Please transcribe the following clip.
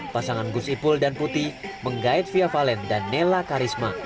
pasangan gus ipul dan putih menggait via valen dan nela karisma